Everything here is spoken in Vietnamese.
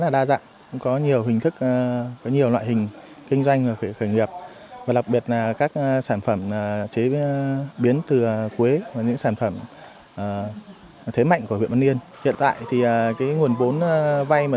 trong thời gian tới